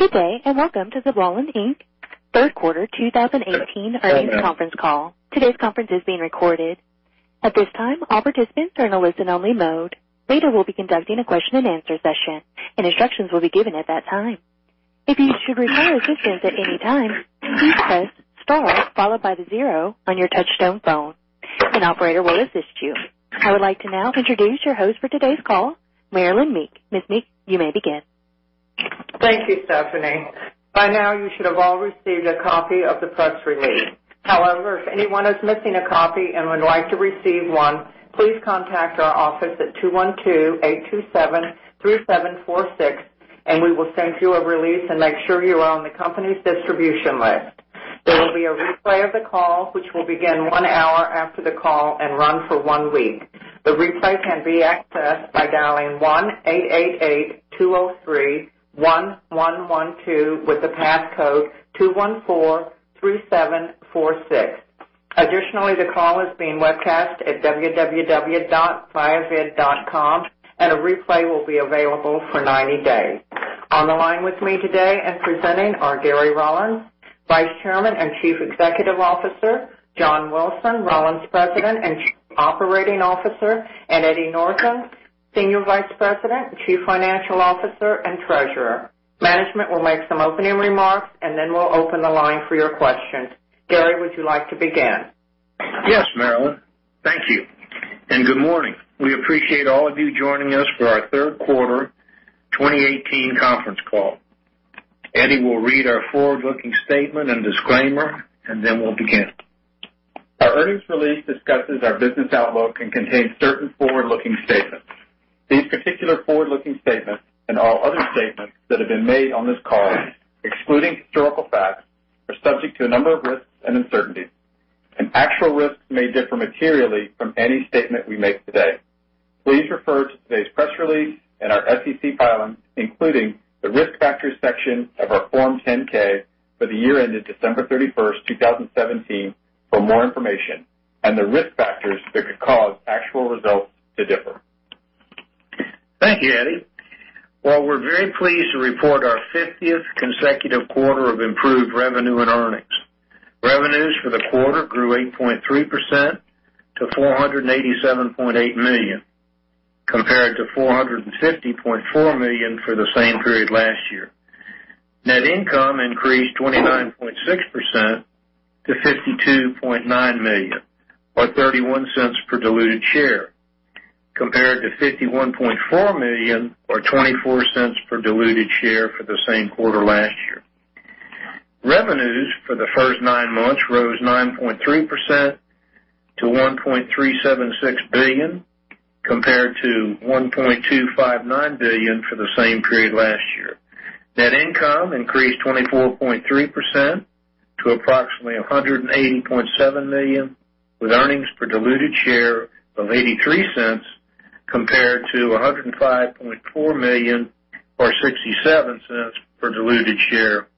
Good day, and welcome to the Rollins, Inc. third quarter 2018 earnings conference call. Today's conference is being recorded. At this time, all participants are in a listen-only mode. Later, we'll be conducting a question and answer session, and instructions will be given at that time. If you should require assistance at any time, please press star followed by the zero on your touchtone phone. An operator will assist you. I would like to now introduce your host for today's call, Marilyn Meek. Ms. Meek, you may begin. Thank you, Stephanie. By now, you should have all received a copy of the press release. However, if anyone is missing a copy and would like to receive one, please contact our office at 212-827-3746, and we will send you a release and make sure you are on the company's distribution list. There will be a replay of the call, which will begin one hour after the call and run for one week. The replay can be accessed by dialing 1-888-203-1112 with the passcode 2143746. Additionally, the call is being webcast at www.viavid.com, and a replay will be available for 90 days. On the line with me today and presenting are Gary Rollins, Vice Chairman and Chief Executive Officer, John Wilson, Rollins President and Chief Operating Officer, and Eddie Northen, Senior Vice President, Chief Financial Officer, and Treasurer. Management will make some opening remarks, and then we'll open the line for your questions. Gary, would you like to begin? Yes, Marilyn. Thank you. Good morning. We appreciate all of you joining us for our third quarter 2018 conference call. Eddie will read our forward-looking statement and disclaimer. Then we'll begin. Our earnings release discusses our business outlook and contains certain forward-looking statements. These particular forward-looking statements, and all other statements that have been made on this call excluding historical facts, are subject to a number of risks and uncertainties, and actual results may differ materially from any statement we make today. Please refer to today's press release and our SEC filings, including the Risk Factors section of our Form 10-K for the year ended December 31, 2017, for more information on the risk factors that could cause actual results to differ. Thank you, Eddie. We're very pleased to report our 50th consecutive quarter of improved revenue and earnings. Revenues for the quarter grew 8.3% to $487.8 million, compared to $450.4 million for the same period last year. Net income increased 29.6% to $66.6 million, or $0.31 per diluted share, compared to $51.4 million or $0.24 per diluted share for the same quarter last year. Revenues for the first nine months rose 9.3% to $1.376 billion, compared to $1.259 billion for the same period last year. Net income increased 24.3% to approximately $180.7 million, with earnings per diluted share of $0.83 compared to $105.4 million or $0.67 per diluted share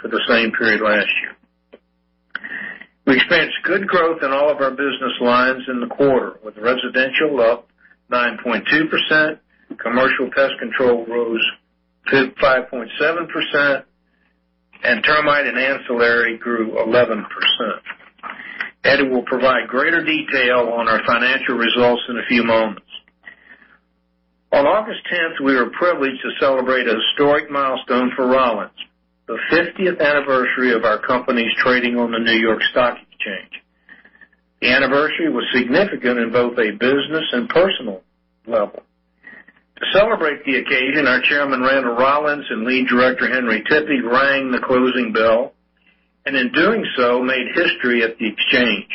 for the same period last year. We experienced good growth in all of our business lines in the quarter, with residential up 9.2%, commercial pest control rose 5.7%, and termite and ancillary grew 11%. Eddie will provide greater detail on our financial results in a few moments. On August 10, we were privileged to celebrate a historic milestone for Rollins, the 50th anniversary of our company's trading on the New York Stock Exchange. The anniversary was significant in both a business and personal level. To celebrate the occasion, our Chairman, Randall Rollins, and Lead Director, Henry Tippie, rang the closing bell, and in doing so, made history at the Exchange.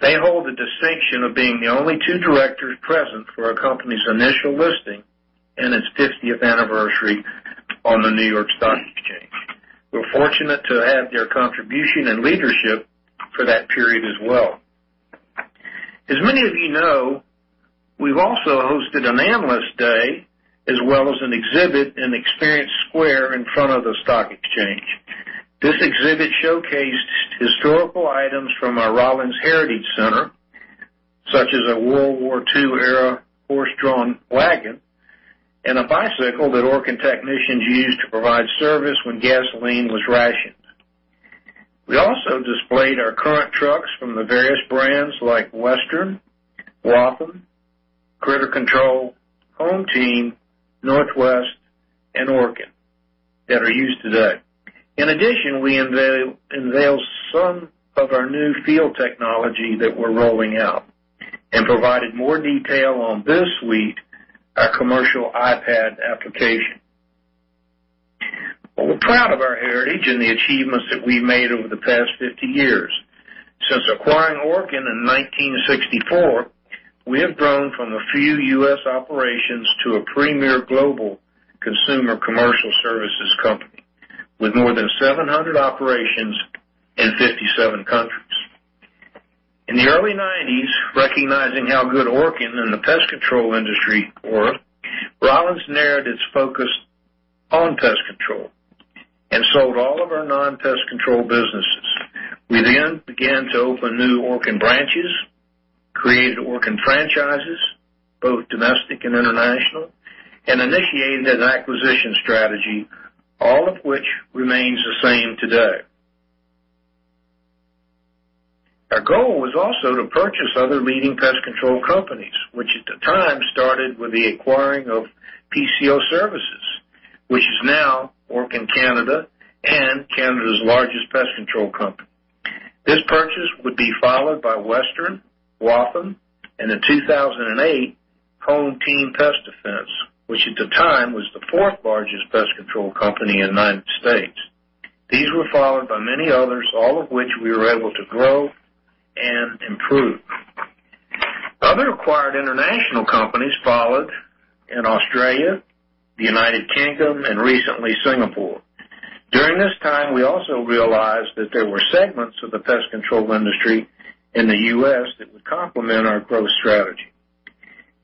They hold the distinction of being the only two directors present for our company's initial listing and its 50th anniversary on the New York Stock Exchange. We're fortunate to have their contribution and leadership for that period as well. As many of you know, we've also hosted an Analyst Day as well as an exhibit in Experience Square in front of the Stock Exchange. This exhibit showcased historical items from our Rollins Heritage Center, such as a World War II-era horse-drawn wagon and a bicycle that Orkin technicians used to provide service when gasoline was rationed. We also displayed our current trucks from the various brands like Western, Waltham, Critter Control, HomeTeam, Northwest, and Orkin that are used today. In addition, we unveiled some of our new field technology that we're rolling out and provided more detail on this suite, our commercial iPad application. We're proud of our heritage and the achievements that we've made over the past 50 years. Since acquiring Orkin in 1964, we have grown from a few U.S. operations to a premier global consumer commercial services company, with more than 700 operations in 57 countries. In the early '90s, recognizing how good Orkin and the pest control industry were, Rollins narrowed its focus on pest control and sold all of our non-pest control businesses. We then began to open new Orkin branches, created Orkin franchises, both domestic and international, and initiated an acquisition strategy, all of which remains the same today. Our goal was also to purchase other leading pest control companies, which at the time started with the acquiring of PCO Services, which is now Orkin Canada and Canada's largest pest control company. This purchase would be followed by Western, Waltham, and in 2008, HomeTeam Pest Defense, which at the time was the fourth-largest pest control company in the United States. These were followed by many others, all of which we were able to grow and improve. Other acquired international companies followed in Australia, the United Kingdom, and recently Singapore. During this time, we also realized that there were segments of the pest control industry in the U.S. that would complement our growth strategy.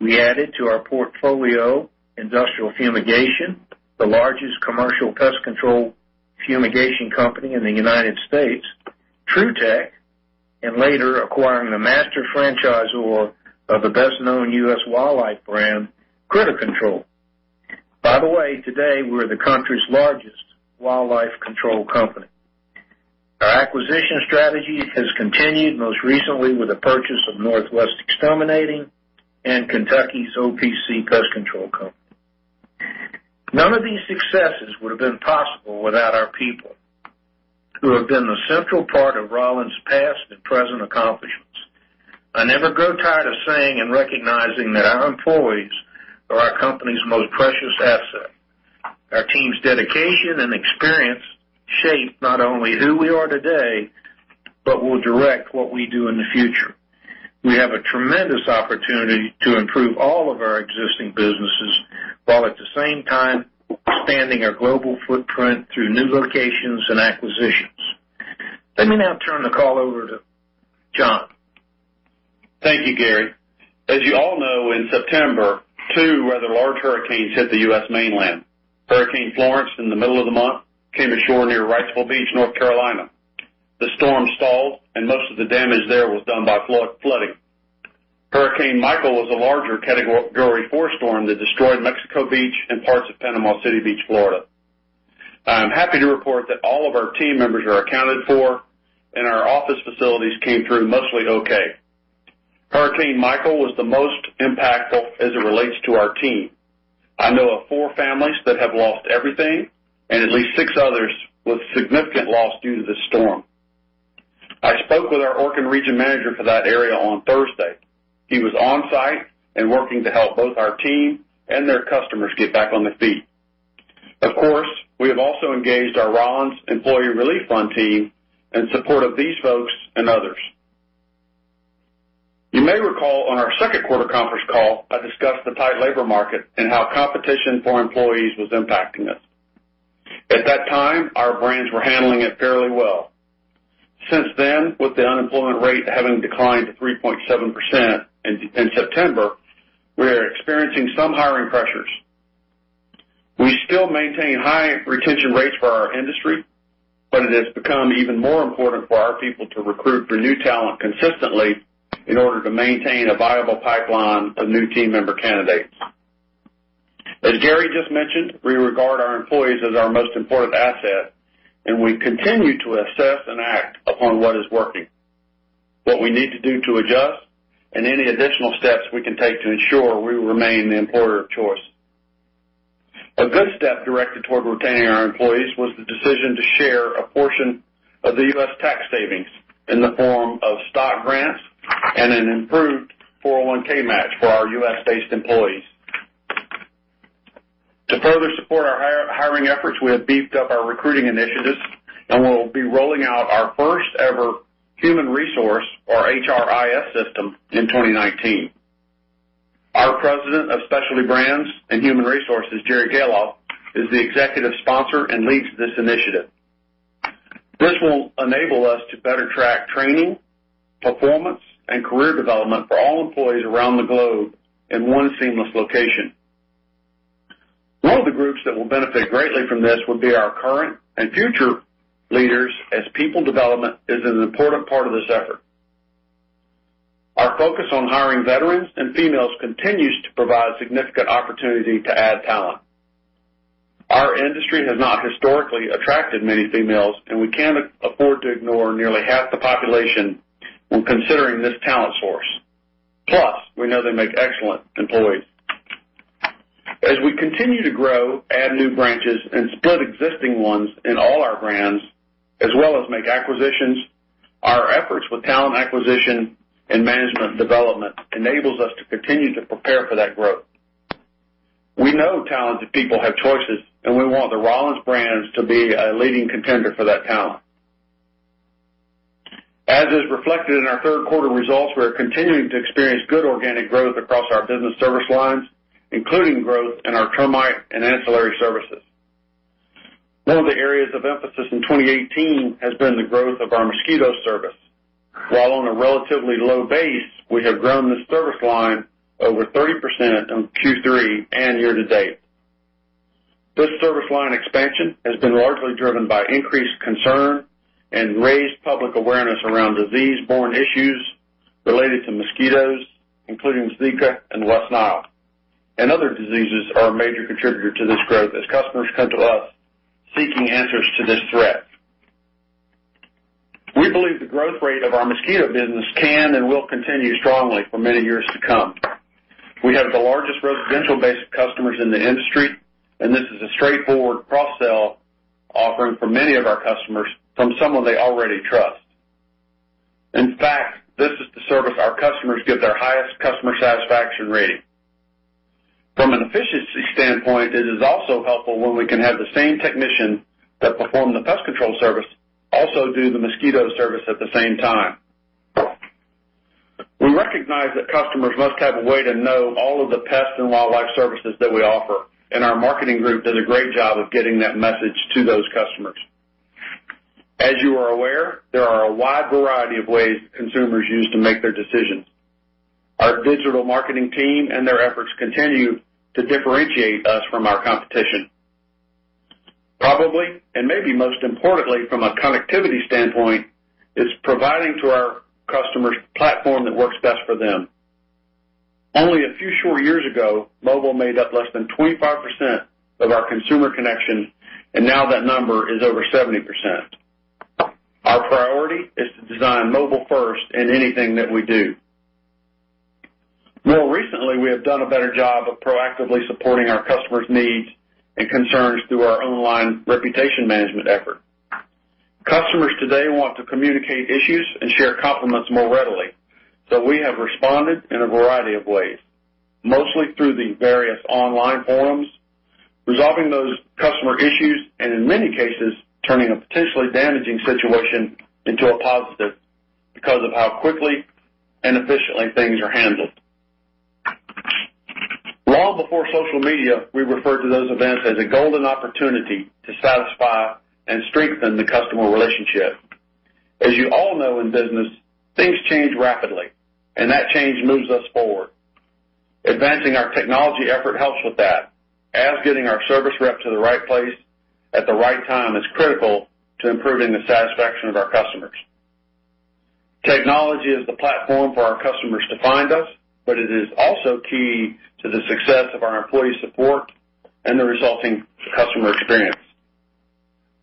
We added to our portfolio The Industrial Fumigant Company, the largest commercial pest control fumigation company in the U.S., Trutech, and later acquiring the master franchise award of the best-known U.S. wildlife brand, Critter Control. By the way, today, we're the country's largest wildlife control company. Our acquisition strategy has continued, most recently with the purchase of Northwest Exterminating and Kentucky's OPC Pest Services. None of these successes would have been possible without our people, who have been the central part of Rollins' past and present accomplishments. I never grow tired of saying and recognizing that our employees are our company's most precious asset. Our team's dedication and experience shape not only who we are today, but will direct what we do in the future. We have a tremendous opportunity to improve all of our existing businesses while at the same time expanding our global footprint through new locations and acquisitions. Let me now turn the call over to John. Thank you, Gary. As you all know, in September, two rather large hurricanes hit the U.S. mainland. Hurricane Florence, in the middle of the month, came ashore near Wrightsville Beach, North Carolina. The storm stalled and most of the damage there was done by flooding. Hurricane Michael was a larger Category 4 storm that destroyed Mexico Beach and parts of Panama City Beach, Florida. I'm happy to report that all of our team members are accounted for and our office facilities came through mostly okay. Hurricane Michael was the most impactful as it relates to our team. I know of four families that have lost everything and at least six others with significant loss due to this storm. I spoke with our Orkin region manager for that area on Thursday. He was on-site and working to help both our team and their customers get back on their feet. Of course, we have also engaged our Rollins Employee Relief Fund team in support of these folks and others. You may recall on our second quarter conference call, I discussed the tight labor market and how competition for employees was impacting us. At that time, our brands were handling it fairly well. Since then, with the unemployment rate having declined to 3.7% in September, we are experiencing some hiring pressures. It has become even more important for our people to recruit for new talent consistently in order to maintain a viable pipeline of new team member candidates. As Gary just mentioned, we regard our employees as our most important asset. We continue to assess and act upon what is working, what we need to do to adjust, and any additional steps we can take to ensure we remain the employer of choice. A good step directed toward retaining our employees was the decision to share a portion of the U.S. tax savings in the form of stock grants and an improved 401 match for our U.S.-based employees. To further support our hiring efforts, we have beefed up our recruiting initiatives. We'll be rolling out our first-ever human resource, or HRIS system in 2019. Our President of Specialty Brands and Human Resources, Jerry Gahlhoff, is the Executive Sponsor and leads this initiative. This will enable us to better track training, performance, and career development for all employees around the globe in one seamless location. One of the groups that will benefit greatly from this would be our current and future leaders, as people development is an important part of this effort. Our focus on hiring veterans and females continues to provide significant opportunity to add talent. Our industry has not historically attracted many females. We can't afford to ignore nearly half the population when considering this talent source. Plus, we know they make excellent employees. As we continue to grow, add new branches, and split existing ones in all our brands, as well as make acquisitions, our efforts with talent acquisition and management development enables us to continue to prepare for that growth. We want the Rollins brands to be a leading contender for that talent. As is reflected in our third quarter results, we are continuing to experience good organic growth across our business service lines, including growth in our termite and ancillary services. One of the areas of emphasis in 2018 has been the growth of our mosquito service. While on a relatively low base, we have grown this service line over 30% in Q3 and year to date. This service line expansion has been largely driven by increased concern and raised public awareness around disease-borne issues related to mosquitoes, including Zika and West Nile. Other diseases are a major contributor to this growth as customers come to us seeking answers to this threat. We believe the growth rate of our mosquito business can and will continue strongly for many years to come. We have the largest residential base of customers in the industry, this is a straightforward cross-sell offering for many of our customers from someone they already trust. In fact, this is the service our customers give their highest customer satisfaction rating. From an efficiency standpoint, it is also helpful when we can have the same technician that performed the pest control service also do the mosquito service at the same time. We recognize that customers must have a way to know all of the pest and wildlife services that we offer, our marketing group does a great job of getting that message to those customers. As you are aware, there are a wide variety of ways consumers use to make their decisions. Our digital marketing team and their efforts continue to differentiate us from our competition. Probably, maybe most importantly from a connectivity standpoint, is providing to our customers a platform that works best for them. Only a few short years ago, mobile made up less than 25% of our consumer connection, now that number is over 70%. Our priority is to design mobile first in anything that we do. More recently, we have done a better job of proactively supporting our customers' needs and concerns through our online reputation management effort. Customers today want to communicate issues and share compliments more readily. We have responded in a variety of ways, mostly through the various online forums, resolving those customer issues, and in many cases, turning a potentially damaging situation into a positive because of how quickly and efficiently things are handled. Long before social media, we referred to those events as a golden opportunity to satisfy and strengthen the customer relationship. As you all know, in business, things change rapidly, that change moves us forward. Advancing our technology effort helps with that, as getting our service rep to the right place at the right time is critical to improving the satisfaction of our customers. Technology is the platform for our customers to find us, it is also key to the success of our employee support and the resulting customer experience.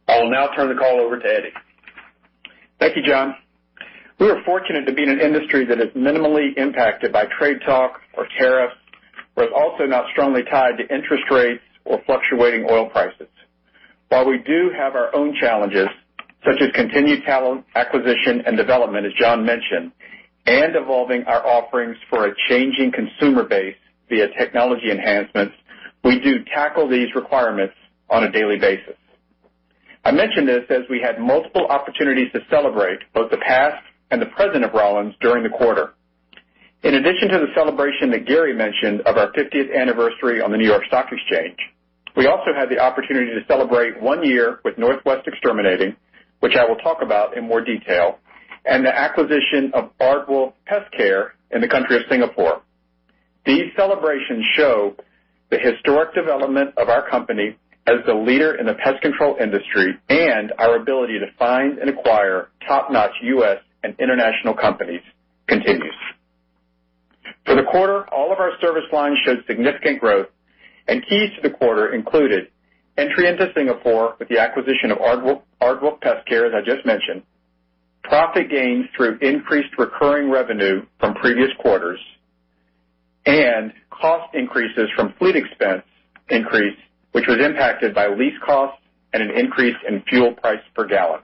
I will now turn the call over to Eddie. Thank you, John. We are fortunate to be in an industry that is minimally impacted by trade talk or tariffs, it is also not strongly tied to interest rates or fluctuating oil prices. While we do have our own challenges, such as continued talent acquisition and development, as John mentioned, and evolving our offerings for a changing consumer base via technology enhancements, we do tackle these requirements on a daily basis. I mention this as we had multiple opportunities to celebrate both the past and the present of Rollins during the quarter. In addition to the celebration that Gary mentioned of our 50th anniversary on the New York Stock Exchange, we also had the opportunity to celebrate one year with Northwest Exterminating, which I will talk about in more detail, and the acquisition of Aardwolf Pestkare in the country of Singapore. These celebrations show the historic development of our company as the leader in the pest control industry and our ability to find and acquire top-notch U.S. and international companies continues. For the quarter, all of our service lines showed significant growth, and keys to the quarter included entry into Singapore with the acquisition of Aardwolf Pestkare, as I just mentioned, profit gains through increased recurring revenue from previous quarters, and cost increases from fleet expense increase, which was impacted by lease costs and an increase in fuel price per gallon.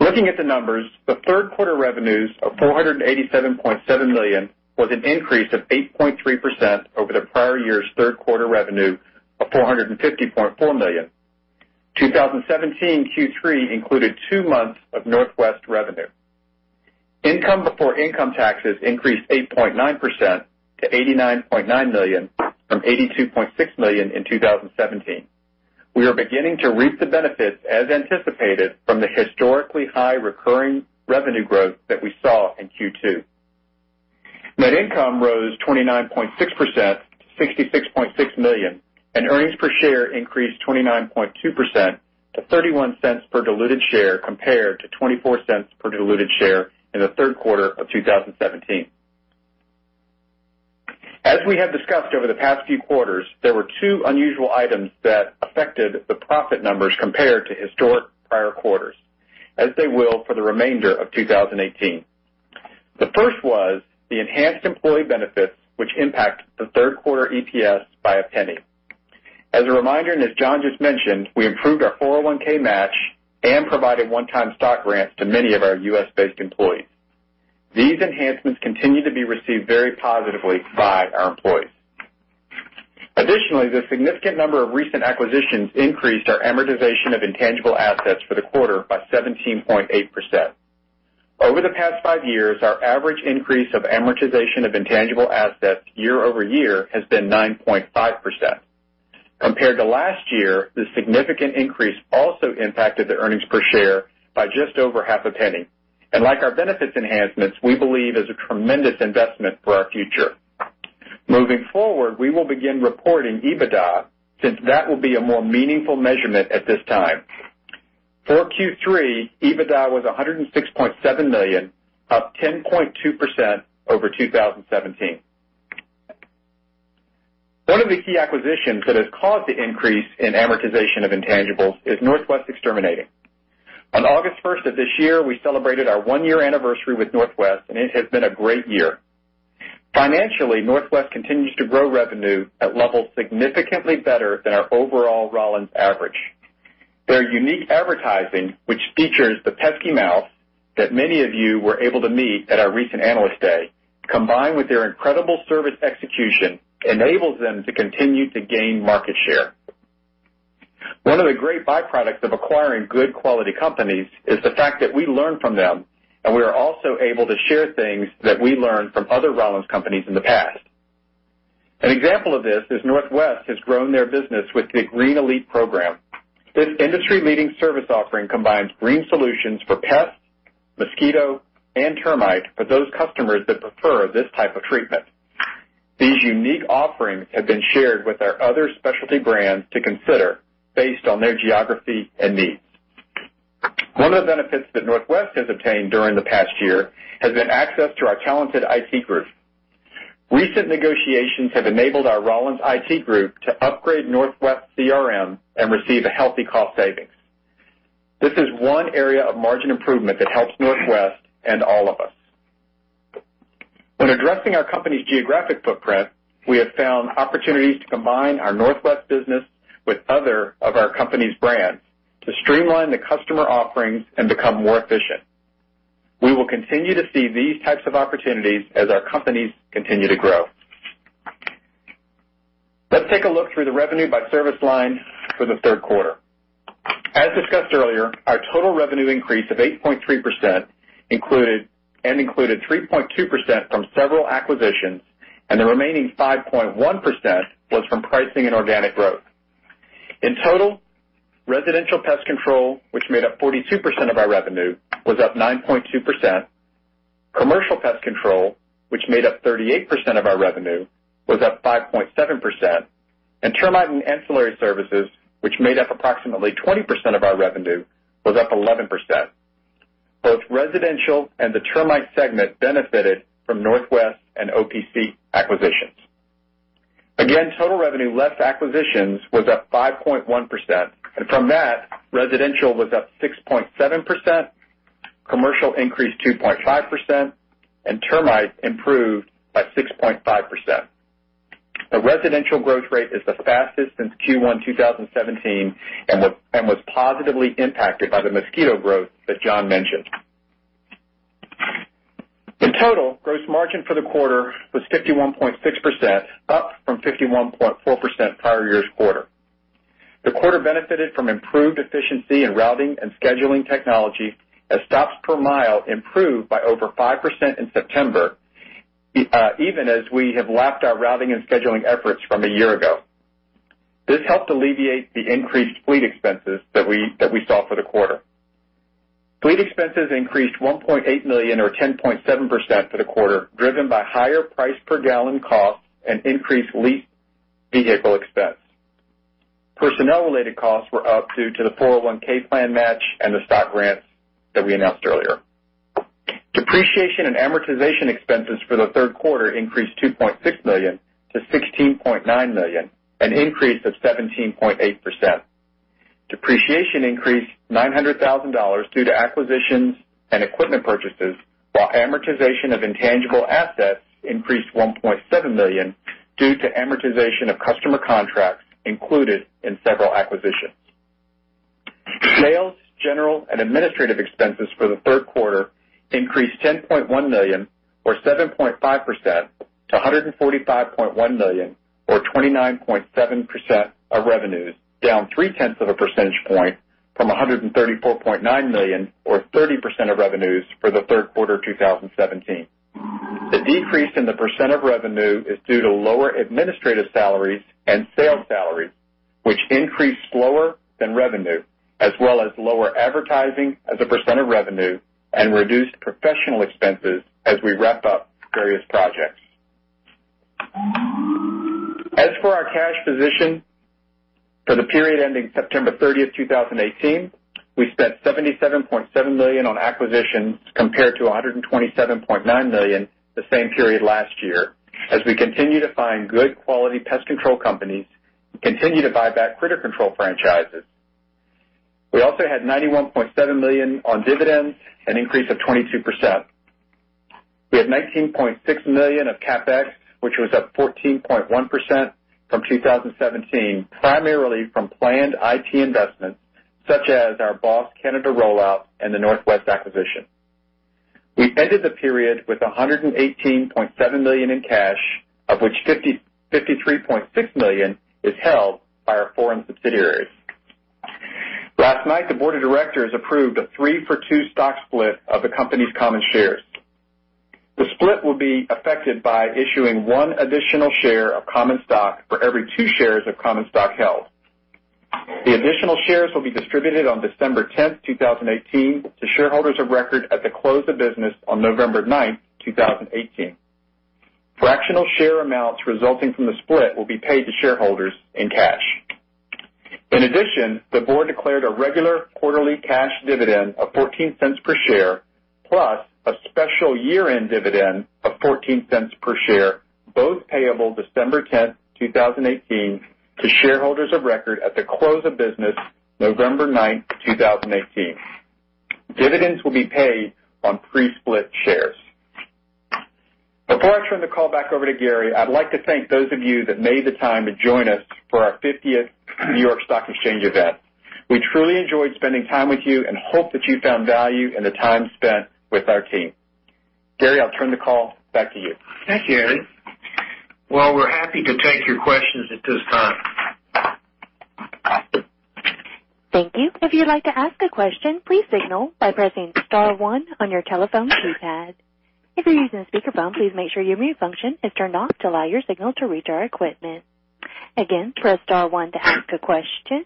Looking at the numbers, the third quarter revenues of $487.7 million was an increase of 8.3% over the prior year's third quarter revenue of $450.4 million. 2017 Q3 included two months of Northwest revenue. Income before income taxes increased 8.9% to $89.9 million from $82.6 million in 2017. We are beginning to reap the benefits, as anticipated, from the historically high recurring revenue growth that we saw in Q2. Net income rose 29.6% to $66.6 million, and earnings per share increased 29.2% to $0.31 per diluted share compared to $0.24 per diluted share in the third quarter of 2017. As we have discussed over the past few quarters, there were two unusual items that affected the profit numbers compared to historic prior quarters, as they will for the remainder of 2018. The first was the enhanced employee benefits, which impact the third quarter EPS by $0.01. As a reminder, and as John just mentioned, we improved our 401(k) match and provided one-time stock grants to many of our U.S.-based employees. These enhancements continue to be received very positively by our employees. Additionally, the significant number of recent acquisitions increased our amortization of intangible assets for the quarter by 17.8%. Over the past five years, our average increase of amortization of intangible assets year-over-year has been 9.5%. Compared to last year, the significant increase also impacted the earnings per share by just over $0.005. Like our benefits enhancements, we believe is a tremendous investment for our future. Moving forward, we will begin reporting EBITDA, since that will be a more meaningful measurement at this time. For Q3, EBITDA was $106.7 million, up 10.2% over 2017. One of the key acquisitions that has caused the increase in amortization of intangibles is Northwest Exterminating. On August 1st of this year, we celebrated our one-year anniversary with Northwest, and it has been a great year. Financially, Northwest continues to grow revenue at levels significantly better than our overall Rollins average. Their unique advertising, which features the pesky mouse that many of you were able to meet at our recent Analyst Day, combined with their incredible service execution, enables them to continue to gain market share. One of the great byproducts of acquiring good quality companies is the fact that we learn from them, and we are also able to share things that we learned from other Rollins companies in the past. An example of this is Northwest has grown their business with the Green Elite program. This industry-leading service offering combines green solutions for pests, mosquito, and termite for those customers that prefer this type of treatment. These unique offerings have been shared with our other specialty brands to consider based on their geography and needs. One of the benefits that Northwest has obtained during the past year has been access to our talented IT group. Recent negotiations have enabled our Rollins IT group to upgrade Northwest CRM and receive a healthy cost savings. This is one area of margin improvement that helps Northwest and all of us. When addressing our company's geographic footprint, we have found opportunities to combine our Northwest business with other of our company's brands to streamline the customer offerings and become more efficient. We will continue to see these types of opportunities as our companies continue to grow. Let's take a look through the revenue by service line for the third quarter. As discussed earlier, our total revenue increase of 8.3% and included 3.2% from several acquisitions, and the remaining 5.1% was from pricing and organic growth. In total, residential pest control, which made up 42% of our revenue, was up 9.2%. Commercial pest control, which made up 38% of our revenue, was up 5.7%. Termite and ancillary services, which made up approximately 20% of our revenue, was up 11%. Both residential and the termite segment benefited from Northwest and OPC acquisitions. Total revenue less acquisitions was up 5.1%, and from that, residential was up 6.7%, commercial increased 2.5%, and termite improved by 6.5%. The residential growth rate is the fastest since Q1 2017 and was positively impacted by the mosquito growth that John mentioned. In total, gross margin for the quarter was 51.6%, up from 51.4% prior year's quarter. The quarter benefited from improved efficiency in routing and scheduling technology, as stops per mile improved by over 5% in September, even as we have lapped our routing and scheduling efforts from a year ago. This helped alleviate the increased fleet expenses that we saw for the quarter. Fleet expenses increased $1.8 million or 10.7% for the quarter, driven by higher price per gallon costs and increased lease vehicle expense. Personnel-related costs were up due to the 401 plan match and the stock grants that we announced earlier. Depreciation and amortization expenses for the third quarter increased $2.6 million to $16.9 million, an increase of 17.8%. Depreciation increased $900,000 due to acquisitions and equipment purchases, while amortization of intangible assets increased $1.7 million due to amortization of customer contracts included in several acquisitions. Sales, general, and administrative expenses for the third quarter increased $10.1 million or 7.5% to $145.1 million or 29.7% of revenues, down three-tenths of a percentage point from $134.9 million or 30% of revenues for the third quarter 2017. The decrease in the percent of revenue is due to lower administrative salaries and sales salaries, which increased slower than revenue, as well as lower advertising as a percent of revenue and reduced professional expenses as we wrap up various projects. As for our cash position, for the period ending September 30th, 2018, we spent $77.7 million on acquisitions compared to $127.9 million the same period last year, as we continue to find good quality pest control companies and continue to buy back Critter Control franchises. We also had $91.7 million on dividends, an increase of 22%. We had $19.6 million of CapEx, which was up 14.1% from 2017, primarily from planned IT investments such as our BOSS Canada rollout and the Northwest acquisition. We ended the period with $118.7 million in cash, of which $53.6 million is held by our foreign subsidiaries. Last night, the board of directors approved a three-for-two stock split of the company's common shares. The split will be affected by issuing one additional share of common stock for every two shares of common stock held. The additional shares will be distributed on December 10th, 2018, to shareholders of record at the close of business on November 9th, 2018. Fractional share amounts resulting from the split will be paid to shareholders in cash. In addition, the board declared a regular quarterly cash dividend of $0.14 per share, plus a special year-end dividend of $0.14 per share, both payable December 10th, 2018, to shareholders of record at the close of business November 9th, 2018. Dividends will be paid on pre-split shares. Before I turn the call back over to Gary, I'd like to thank those of you that made the time to join us for our 50th New York Stock Exchange event. We truly enjoyed spending time with you and hope that you found value in the time spent with our team. Gary, I'll turn the call back to you. Thank you. Gary. Well, we're happy to take your questions at this time. Thank you. If you'd like to ask a question, please signal by pressing *1 on your telephone keypad. If you're using a speakerphone, please make sure your mute function is turned off to allow your signal to reach our equipment. Again, press *1 to ask a question.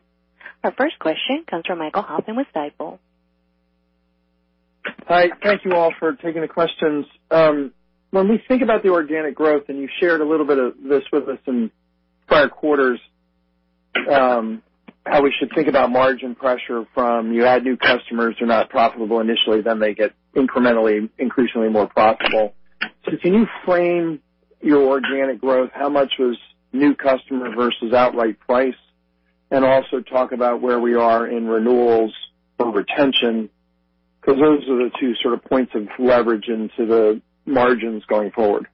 Our first question comes from Michael Hoffman with Stifel. Hi. Thank you all for taking the questions. When we think about the organic growth, and you shared a little bit of this with us in prior quarters, how we should think about margin pressure from you add new customers who are not profitable initially, then they get increasingly more profitable. Can you frame your organic growth? How much was new customer versus outright price? Also talk about where we are in renewals or retention, because those are the two sort of points of leverage into the margins going forward.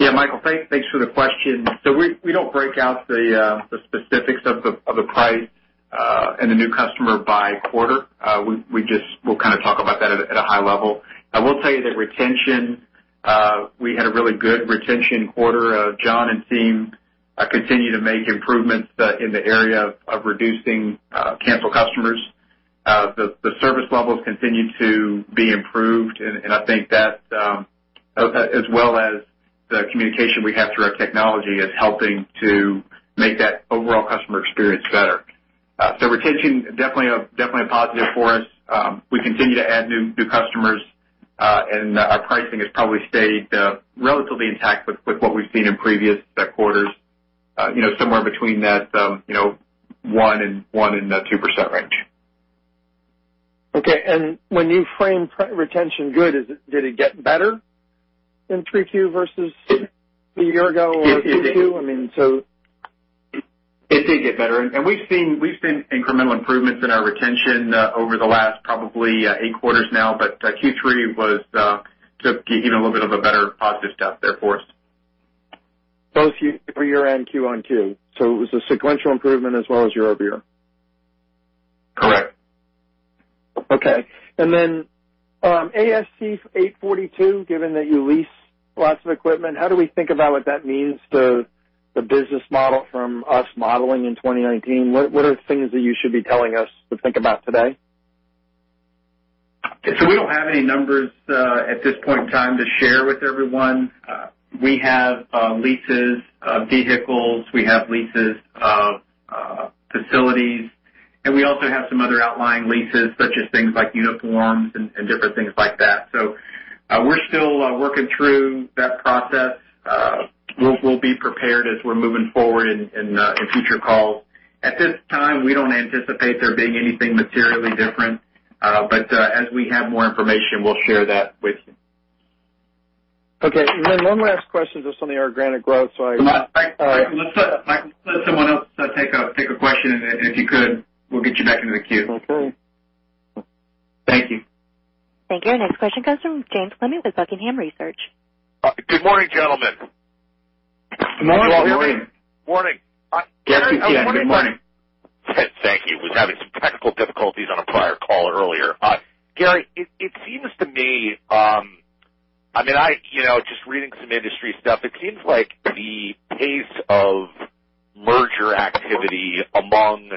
Yeah, Michael, thanks for the question. We don't break out the specifics of the price and the new customer by quarter. We'll kind of talk about that at a high level. I will tell you that retention, we had a really good retention quarter. John and team continue to make improvements in the area of reducing canceled customers. The service levels continue to be improved, and I think that, as well as the communication we have through our technology, is helping to make that overall customer experience better. Retention, definitely a positive for us. We continue to add new customers, and our pricing has probably stayed relatively intact with what we've seen in previous quarters. Somewhere between that 1% and 2% range. Okay. When you frame retention good, did it get better in Q3 versus a year ago or Q2? It did get better. We've seen incremental improvements in our retention over the last probably eight quarters now. Q3 took even a little bit of a better positive step there for us. Both year-on-year and Q-on-Q. It was a sequential improvement as well as year-over-year. Correct. Okay. ASC 842, given that you lease lots of equipment, how do we think about what that means to the business model from us modeling in 2019? What are things that you should be telling us to think about today? We don't have any numbers at this point in time to share with everyone. We have leases of vehicles. We have leases of facilities, and we also have some other outlying leases, such as things like uniforms and different things like that. We're still working through that process. We'll be prepared as we're moving forward in future calls. At this time, we don't anticipate there being anything materially different. As we have more information, we'll share that with you. Okay. Then one last question just on the organic growth. Michael, let someone else take a question, if you could, we'll get you back into the queue. Okay. Thank you. Thank you. Next question comes from James Clement with Buckingham Research. Good morning, gentlemen. Good morning. Morning. Yes, we can hear you. Thank you. I was having some technical difficulties on a prior call earlier. Gary, it seems to me, just reading some industry stuff, it seems like the pace of merger activity among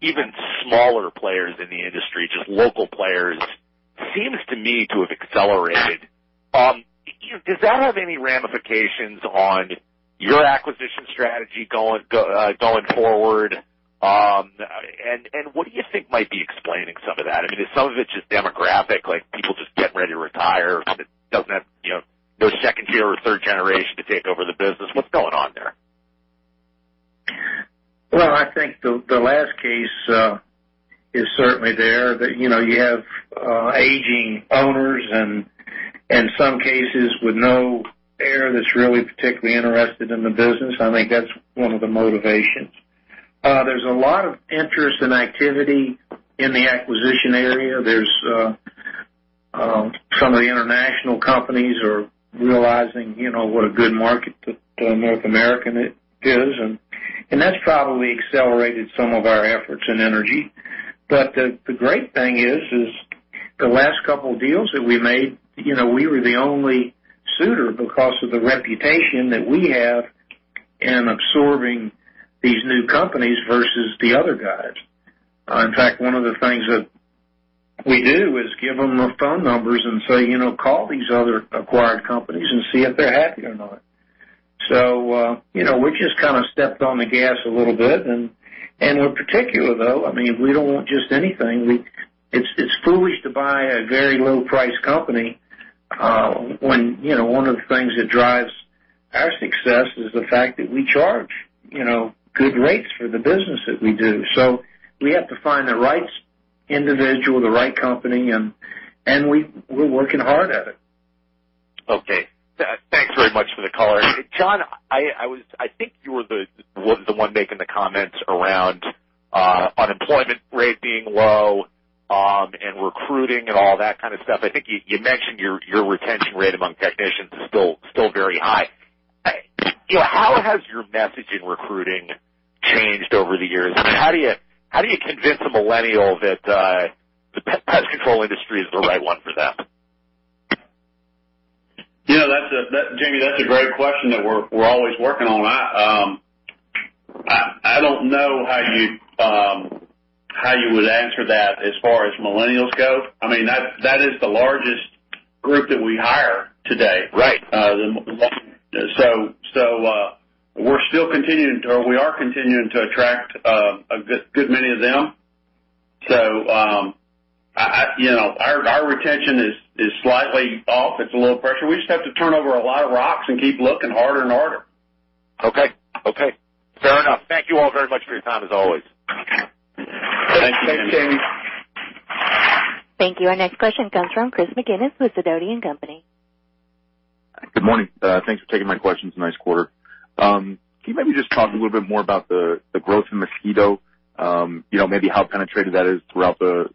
even smaller players in the industry, just local players, seems to me to have accelerated. Does that have any ramifications on your acquisition strategy going forward? What do you think might be explaining some of that? If some of it's just demographic, like people just getting ready to retire, it doesn't have no second generation or third generation to take over the business. What's going on there? Well, I think the last case is certainly there. You have aging owners and in some cases with no heir that's really particularly interested in the business. I think that's one of the motivations. There's a lot of interest and activity in the acquisition area. Some of the international companies are realizing what a good market North America is, and that's probably accelerated some of our efforts and energy. The great thing is. The last couple deals that we made, we were the only suitor because of the reputation that we have in absorbing these new companies versus the other guys. In fact, one of the things that we do is give them the phone numbers and say, "Call these other acquired companies and see if they're happy or not." We just stepped on the gas a little bit and we're particular, though. We don't want just anything. It's foolish to buy a very low price company when one of the things that drives our success is the fact that we charge good rates for the business that we do. We have to find the right individual, the right company, and we're working hard at it. Okay. Thanks very much for the color. John, I think you were the one making the comments around unemployment rate being low and recruiting and all that kind of stuff. I think you mentioned your retention rate among technicians is still very high. How has your messaging recruiting changed over the years? How do you convince a millennial that the pest control industry is the right one for them? Jamie, that's a great question that we're always working on. I don't know how you would answer that as far as millennials go. That is the largest group that we hire today. Right. We are continuing to attract a good many of them. Our retention is slightly off. It's a little pressure. We just have to turn over a lot of rocks and keep looking harder and harder. Okay. Fair enough. Thank you all very much for your time, as always. Okay. Thanks, Jamie. Thank you, Jamie. Thank you. Our next question comes from Christopher McGinnis with Sidoti & Company. Good morning. Thanks for taking my questions. Nice quarter. Can you maybe just talk a little bit more about the growth in mosquito? Maybe how penetrated that is throughout the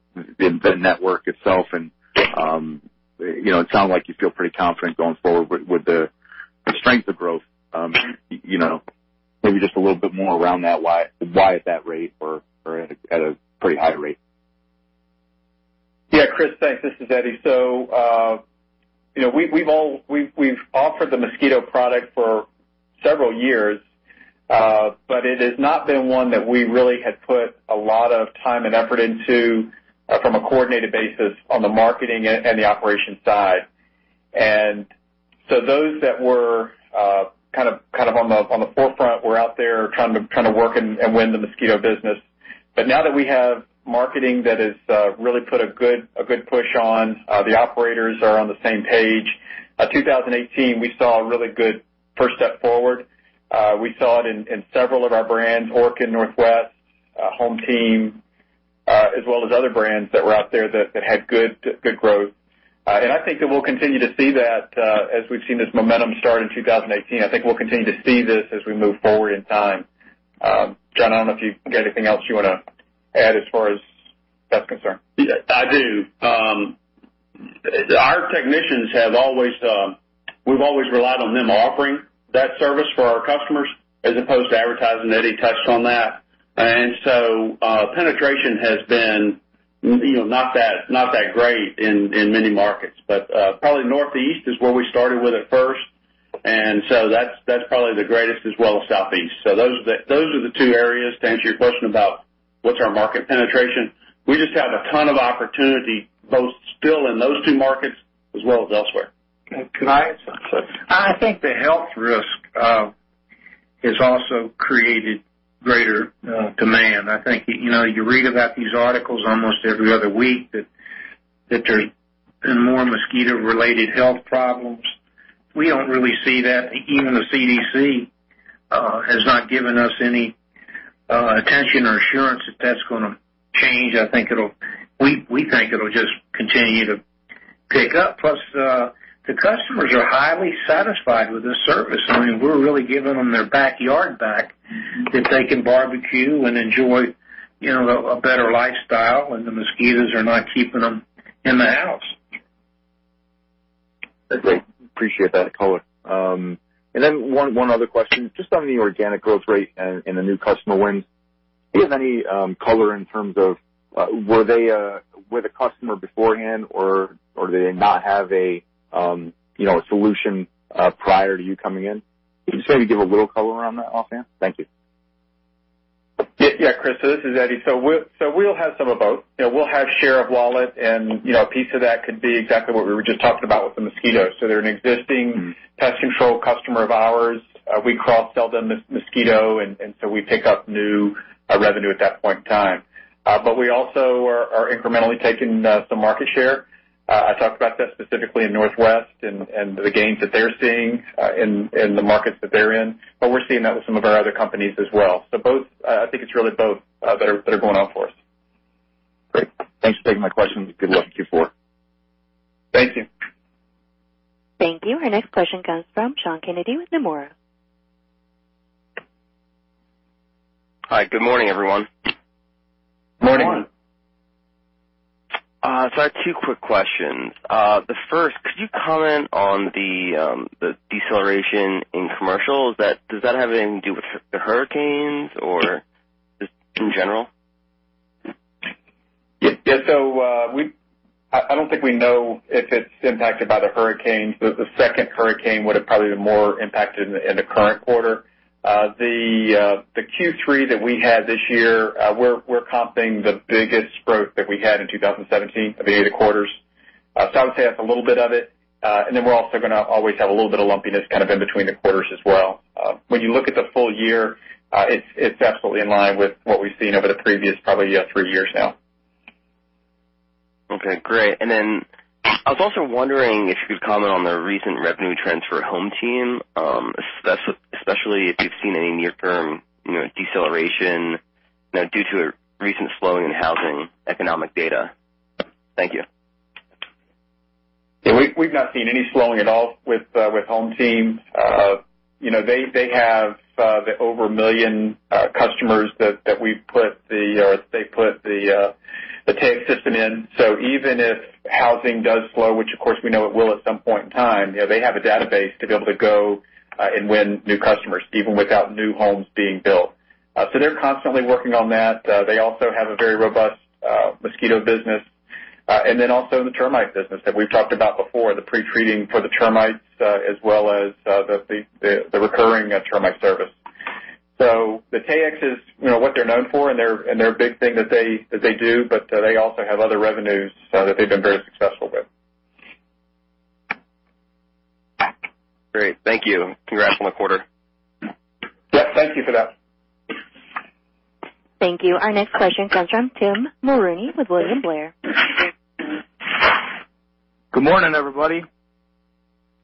network itself? It sounds like you feel pretty confident going forward with the strength of growth. Maybe just a little bit more around that, why at that rate or at a pretty high rate? Yeah, Chris, thanks. This is Eddie. We've offered the mosquito product for several years, it has not been one that we really had put a lot of time and effort into from a coordinated basis on the marketing and the operations side. Those that were on the forefront were out there trying to work and win the mosquito business. Now that we have marketing that has really put a good push on, the operators are on the same page. 2018, we saw a really good first step forward. We saw it in several of our brands, Orkin, Northwest, HomeTeam, as well as other brands that were out there that had good growth. I think that we'll continue to see that as we've seen this momentum start in 2018. I think we'll continue to see this as we move forward in time. John, I don't know if you've got anything else you want to add as far as that's concerned. I do. Our technicians, we've always relied on them offering that service for our customers as opposed to advertising. Eddie touched on that. Penetration has been not that great in many markets. Probably Northeast is where we started with it first, that's probably the greatest as well as Southeast. Those are the two areas to answer your question about what's our market penetration. We just have a ton of opportunity, both still in those two markets as well as elsewhere. Can I ask something? I think the health risk has also created greater demand. I think you read about these articles almost every other week that there's been more mosquito-related health problems. We don't really see that. Even the CDC has not given us any attention or assurance that that's going to change. We think it'll just continue to pick up. The customers are highly satisfied with this service. We're really giving them their backyard back that they can barbecue and enjoy a better lifestyle when the mosquitoes are not keeping them in the house. Great. Appreciate that color. One other question, just on the organic growth rate and the new customer wins. Do you have any color in terms of were they with a customer beforehand, or did they not have a solution prior to you coming in? If you just maybe give a little color around that offhand. Thank you. Yeah, Chris, this is Eddie. We'll have some of both. We'll have share of wallet, a piece of that could be exactly what we were just talking about with the mosquitoes. They're an existing pest control customer of ours. We cross-sell them mosquito, we pick up new revenue at that point in time. We also are incrementally taking some market share. I talked about that specifically in Northwest Exterminating and the gains that they're seeing in the markets that they're in. We're seeing that with some of our other companies as well. I think it's really both that are going on for us. Great. Thanks for taking my questions. Good luck, Q4. Thank you. Thank you. Our next question comes from Sean Kennedy with Nomura. Hi, good morning, everyone. Morning. Morning. I have two quick questions. The first, could you comment on the deceleration in commercial? Does that have anything to do with the hurricanes or just in general? Yeah. I don't think we know if it's impacted by the hurricanes. The second hurricane would've probably been more impacted in the current quarter. The Q3 that we had this year, we're comping the biggest growth that we had in 2017 of the eight quarters. I would say that's a little bit of it. We're also going to always have a little bit of lumpiness kind of in between the quarters as well. When you look at the full year, it's absolutely in line with what we've seen over the previous probably three years now. Okay, great. I was also wondering if you could comment on the recent revenue trends for HomeTeam, especially if you've seen any near-term deceleration due to a recent slowing in housing economic data. Thank you. We've not seen any slowing at all with HomeTeam. They have over 1 million customers that they put the Taexx system in. Even if housing does slow, which of course we know it will at some point in time, they have a database to be able to go and win new customers, even without new homes being built. They're constantly working on that. They also have a very robust mosquito business. Also the termite business that we've talked about before, the pre-treating for the termites, as well as the recurring termite service. The Taexx is what they're known for and their big thing that they do, but they also have other revenues that they've been very successful with. Great. Thank you. Congrats on the quarter. Thank you for that. Thank you. Our next question comes from Tim Mulrooney with William Blair. Good morning, everybody.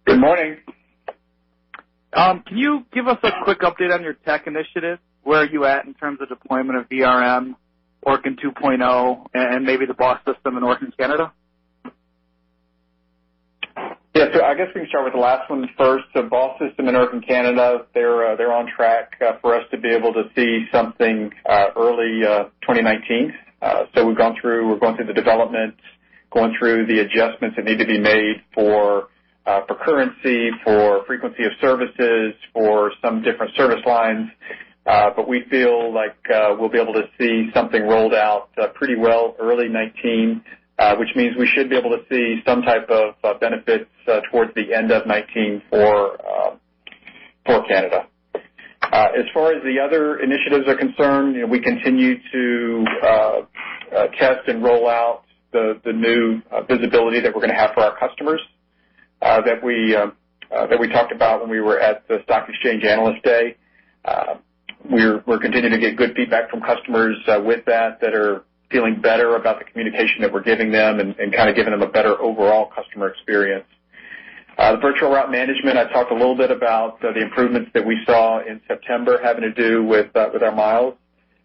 Good morning. Can you give us a quick update on your tech initiatives? Where are you at in terms of deployment of VRM, ORCA 2.0, and maybe the BOSS system in Orkin Canada? Yeah. I guess we can start with the last one first. BOSS system in Orkin Canada, they're on track for us to be able to see something early 2019. We're going through the developments, going through the adjustments that need to be made for currency, for frequency of services, for some different service lines. We feel like we'll be able to see something rolled out pretty well early 2019, which means we should be able to see some type of benefits towards the end of 2019 for Canada. As far as the other initiatives are concerned, we continue to test and roll out the new visibility that we're going to have for our customers that we talked about when we were at the Stock Exchange Analyst Day. We're continuing to get good feedback from customers with that are feeling better about the communication that we're giving them and kind of giving them a better overall customer experience. The virtual route management, I talked a little bit about the improvements that we saw in September having to do with our miles.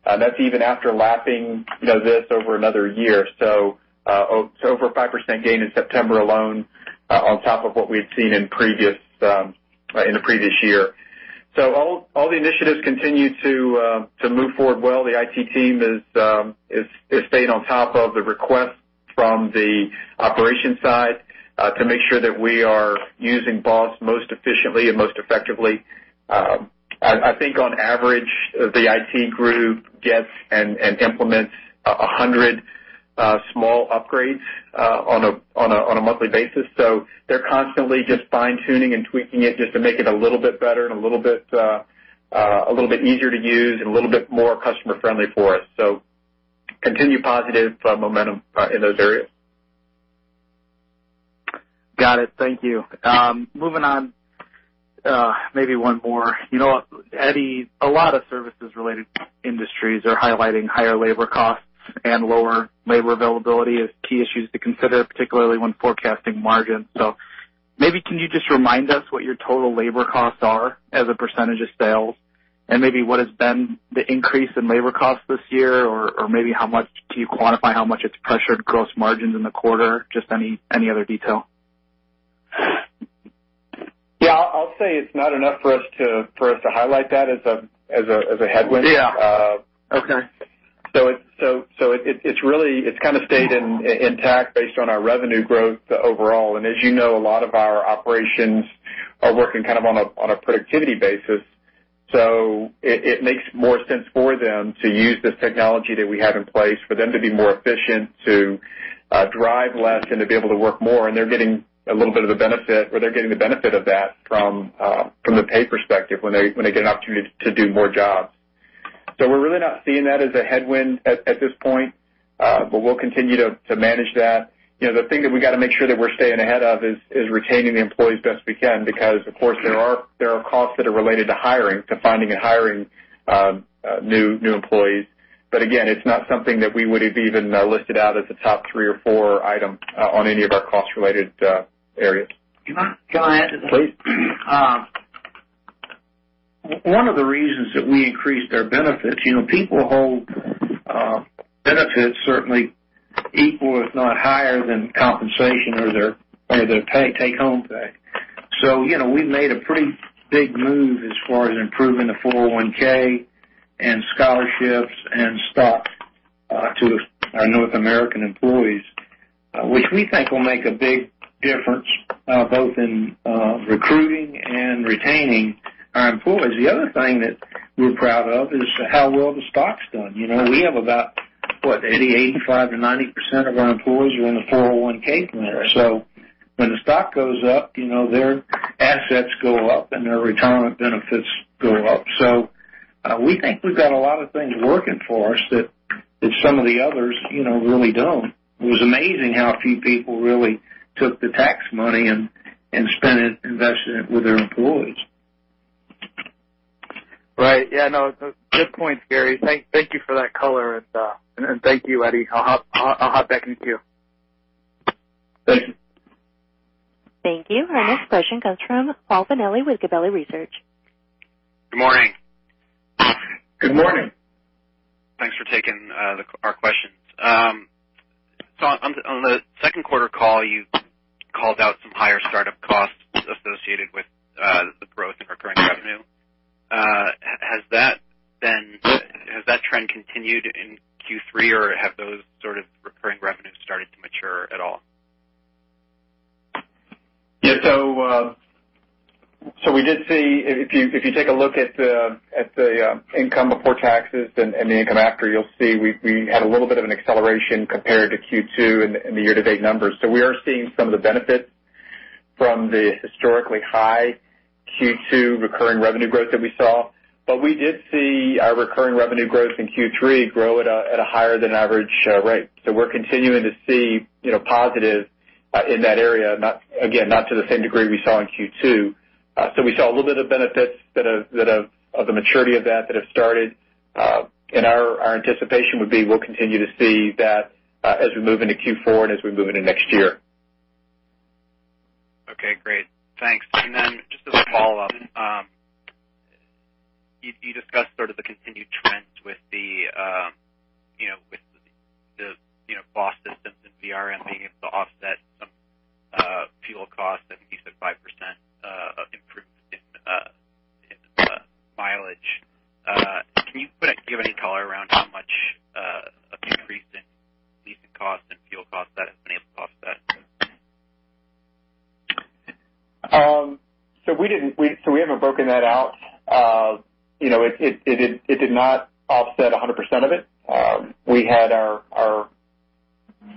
That's even after lapping this over another year. Over a 5% gain in September alone, on top of what we've seen in the previous year. All the initiatives continue to move forward well. The IT team is staying on top of the requests from the operations side to make sure that we are using BOSS most efficiently and most effectively. I think on average, the IT group gets and implements 100 small upgrades on a monthly basis. They're constantly just fine-tuning and tweaking it just to make it a little bit better and a little bit easier to use and a little bit more customer-friendly for us. Continued positive momentum in those areas. Got it. Thank you. Moving on, maybe one more. Eddie, a lot of services-related industries are highlighting higher labor costs and lower labor availability as key issues to consider, particularly when forecasting margins. Maybe can you just remind us what your total labor costs are as a % of sales, and maybe what has been the increase in labor costs this year, or maybe can you quantify how much it's pressured gross margins in the quarter? Just any other detail. Yeah, I'll say it's not enough for us to highlight that as a headwind. Yeah. Okay. It's kind of stayed intact based on our revenue growth overall. As you know, a lot of our operations are working kind of on a productivity basis. It makes more sense for them to use this technology that we have in place for them to be more efficient, to drive less, and to be able to work more, and they're getting a little bit of the benefit, or they're getting the benefit of that from the pay perspective when they get an opportunity to do more jobs. We're really not seeing that as a headwind at this point. We'll continue to manage that. The thing that we got to make sure that we're staying ahead of is retaining the employees as best we can, because, of course, there are costs that are related to hiring, to finding and hiring new employees. Again, it's not something that we would have even listed out as a top three or four item on any of our cost-related areas. Can I add to that? Please. One of the reasons that we increased our benefits, people hold benefits certainly equal if not higher than compensation or their take-home pay. We made a pretty big move as far as improving the 401 and scholarships and stock our North American employees, which we think will make a big difference, both in recruiting and retaining our employees. The other thing that we're proud of is how well the stock's done. We have about, what, 80, 85%-90% of our employees are in the 401 plan. Right. When the stock goes up, their assets go up, and their retirement benefits go up. We think we've got a lot of things working for us that some of the others really don't. It was amazing how few people really took the tax money and invested it with their employees. Right. Yeah, no. Good point, Gary. Thank you for that color, and thank you, Eddie. I'll hop back into you. Thank you. Thank you. Our next question comes from Paul Fanelli with Gabelli Research. Good morning. Good morning. Thanks for taking our questions. On the second quarter call, you called out some higher startup costs associated with the growth in recurring revenue. Has that trend continued in Q3, or have those sort of recurring revenues started to mature at all? We did see, if you take a look at the income before taxes and the income after, you'll see we had a little bit of an acceleration compared to Q2 in the year-to-date numbers. We are seeing some of the benefits from the historically high Q2 recurring revenue growth that we saw. We did see our recurring revenue growth in Q3 grow at a higher than average rate. We're continuing to see positives in that area. Again, not to the same degree we saw in Q2. We saw a little bit of benefits of the maturity of that have started. Our anticipation would be we'll continue to see that as we move into Q4 and as we move into next year. Okay, great. Thanks. Just as a follow-up. You discussed sort of the continued trends with the BOSS systems and VRM being able to offset some fuel costs. I think you said 5% improvement in mileage. Can you give any color around how much of the increase in leasing costs and fuel costs that has been able to offset? We haven't broken that out. It did not offset 100% of it. Our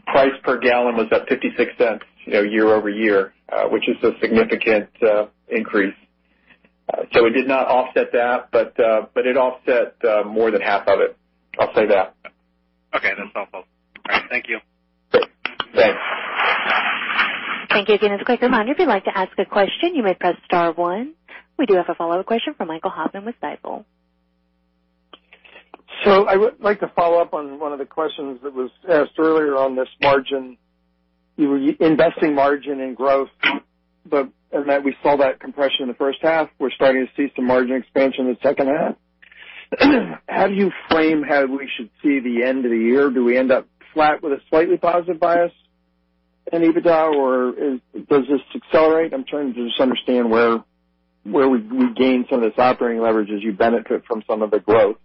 price per gallon was up $0.56 year-over-year, which is a significant increase. It did not offset that, but it offset more than half of it. I'll say that. Okay. That's all helpful. All right. Thank you. Great. Thanks. Thank you. As a quick reminder, if you'd like to ask a question, you may press star one. We do have a follow-up question from Michael Hoffman with Stifel. I would like to follow up on one of the questions that was asked earlier on this margin. You were investing margin in growth, but we saw that compression in the first half. We're starting to see some margin expansion in the second half. How do you frame how we should see the end of the year? Do we end up flat with a slightly positive bias in EBITDA, or does this accelerate? I'm trying to just understand where we gain some of this operating leverage as you benefit from some of the growth.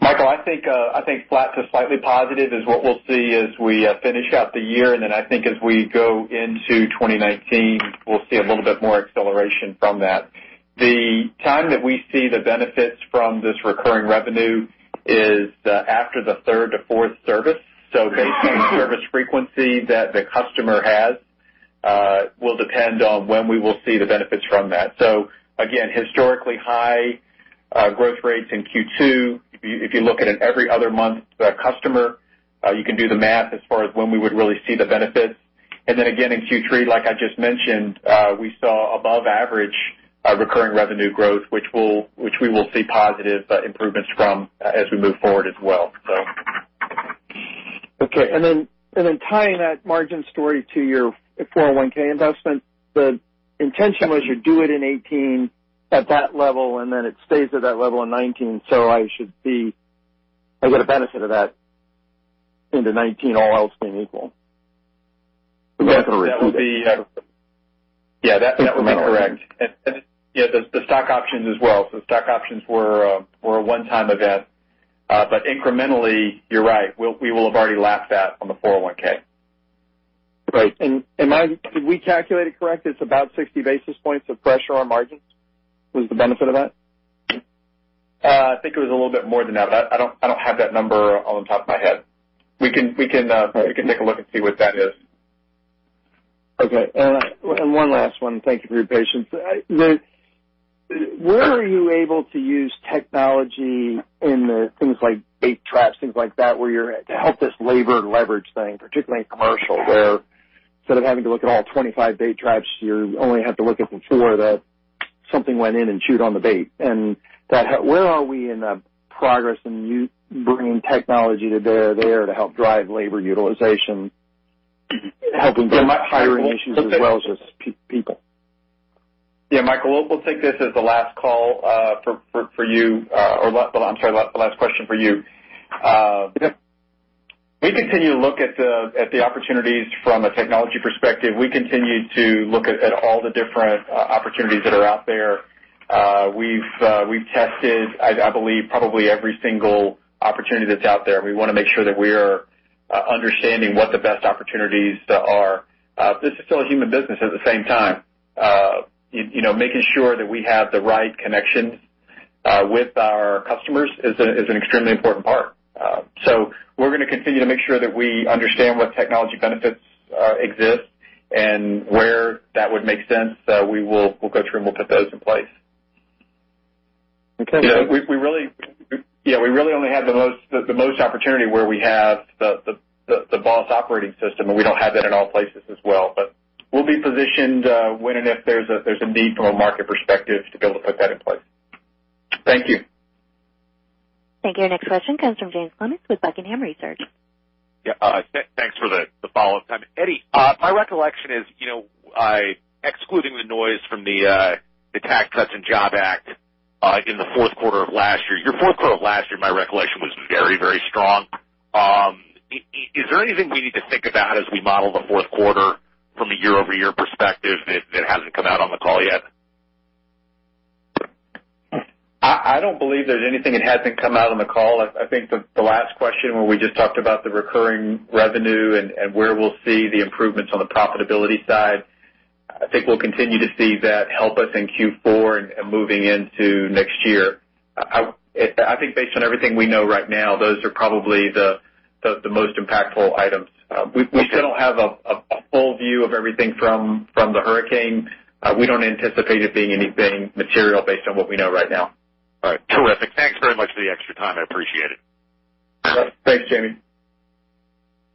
Michael, I think flat to slightly positive is what we'll see as we finish out the year. I think as we go into 2019, we'll see a little bit more acceleration from that. The time that we see the benefits from this recurring revenue is after the third to fourth service. Based on the service frequency that the customer has, will depend on when we will see the benefits from that. Again, historically high growth rates in Q2. If you look at an every other month customer, you can do the math as far as when we would really see the benefits. Again, in Q3, like I just mentioned, we saw above average recurring revenue growth, which we will see positive improvements from as we move forward as well. Okay. Then tying that margin story to your 401(k) investment, the intention was you do it in 2018 at that level, then it stays at that level in 2019. I get a benefit of that into 2019, all else being equal. That's a repeat. That would be- Incremental. Yeah, that would be correct. Yeah, the stock options as well. The stock options were a one-time event. Incrementally, you're right. We will have already lapped that on the 401(k). Right. Did we calculate it correct? It's about 60 basis points of pressure on margins, was the benefit of that? I think it was a little bit more than that, but I don't have that number off the top of my head. We can- Right we can take a look and see what that is. Okay. One last one. Thank you for your patience. Where are you able to use technology in the things like bait traps, things like that, to help this labor leverage thing, particularly in commercial, where instead of having to look at all 25 bait traps, you only have to look at the four that something went in and chewed on the bait. Where are we in the progress in you bringing technology to bear there to help drive labor utilization, helping with hiring issues as well as just people? Yeah. Michael, we'll take this as the last call for you, or I'm sorry, last question for you. Yep. We continue to look at the opportunities from a technology perspective. We continue to look at all the different opportunities that are out there. We've tested, I believe, probably every single opportunity that's out there. We want to make sure that we are understanding what the best opportunities are. This is still a human business at the same time. Making sure that we have the right connections with our customers is an extremely important part. We're going to continue to make sure that we understand what technology benefits exist, and where that would make sense, we'll go through and we'll put those in place. Okay. Yeah, we really only have the most opportunity where we have the BOSS operating system, and we don't have that in all places as well. We'll be positioned when and if there's a need from a market perspective to be able to put that in place. Thank you. Thank you. Next question comes from James Clement with Buckingham Research. Yeah. Thanks for the follow-up time. Eddie, my recollection is, excluding the noise from the Tax Cuts and Jobs Act in the fourth quarter of last year, your fourth quarter of last year, my recollection, was very strong. Is there anything we need to think about as we model the fourth quarter from a year-over-year perspective that hasn't come out on the call yet? I don't believe there's anything that hasn't come out on the call. I think the last question where we just talked about the recurring revenue and where we'll see the improvements on the profitability side, I think we'll continue to see that help us in Q4 and moving into next year. I think based on everything we know right now, those are probably the most impactful items. Okay. We still don't have a full view of everything from the hurricane. We don't anticipate it being anything material based on what we know right now. All right. Terrific. Thanks very much for the extra time. I appreciate it. Thanks, Jamie.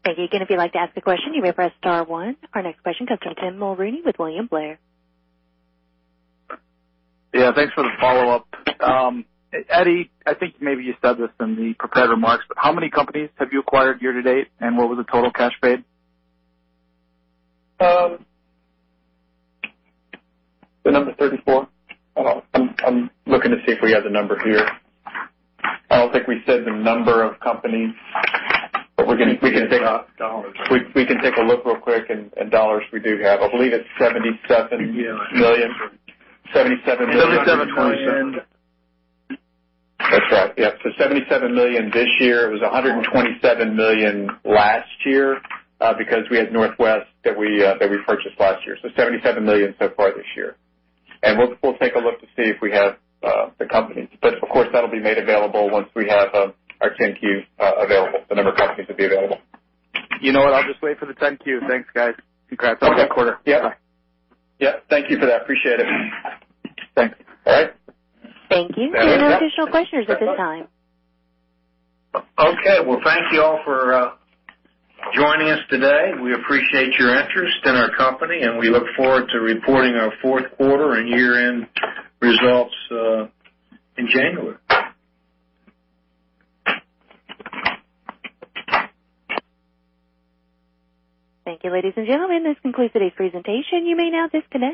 Thank you. Again, if you'd like to ask a question, you may press star one. Our next question comes from Tim Mulrooney with William Blair. Yeah, thanks for the follow-up. Eddie, I think maybe you said this in the prepared remarks, how many companies have you acquired year to date, and what was the total cash paid? The number's 34. I'm looking to see if we have the number here. I don't think we said the number of companies, but we can take a look real quick, and dollars we do have. I believe it's $77 million. $77 million. That's right. Yeah. $77 million this year. It was $127 million last year, because we had Northwest that we purchased last year. $77 million so far this year. We'll take a look to see if we have the companies. Of course, that'll be made available once we have our 10-Q available. The number of companies will be available. You know what? I'll just wait for the 10-Q. Thanks, guys. Congrats on the quarter. Okay. Yep. Bye. Yep. Thank you for that. Appreciate it. Thanks. All right. Thank you. There are no additional questions at this time. Well, thank you all for joining us today. We appreciate your interest in our company, and we look forward to reporting our fourth quarter and year-end results in January. Thank you, ladies and gentlemen. This concludes today's presentation. You may now disconnect.